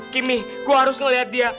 kimmy gue harus ngeliat dia